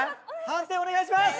判定をお願いします。